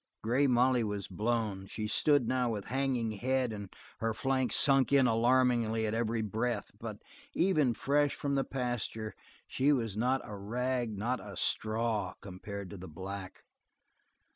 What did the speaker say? Grey Molly was blown, she stood now with hanging head and her flanks sunk in alarmingly at every breath, but even fresh from the pasture she was not a rag, not a straw compared to the black.